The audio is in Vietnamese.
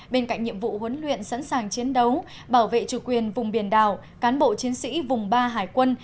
bên cạnh nhiệm vụ huấn luyện sẵn sàng chiến đấu bảo vệ chủ quyền vùng biển đảo cán bộ chiến sĩ vùng ba hải quân